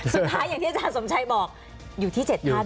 อย่างที่อาจารย์สมชัยบอกอยู่ที่๗ท่าน